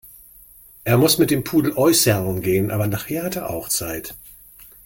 Er muss mit dem Pudel äußerln gehen, aber nachher hat er auch Zeit.